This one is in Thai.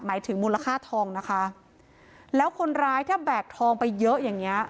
หมายถึงมูลค่าทองนะคะแล้วคนร้ายถ้าแบกทองไปเยอะอย่างเงี้ย